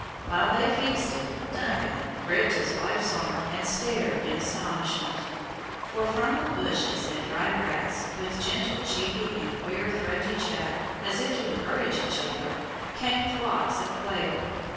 While they feasted, Duncan gripped his wife's arm and stared in astonishment; for from the bushes and dry grass, with gentle cheeping and queer, throaty chatter, as if to encourage each other, came flocks of quail.